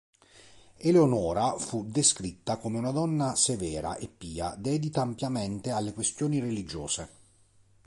Eleonora fu descritta come una donna severa e pia, dedita ampiamente alle questioni religiose.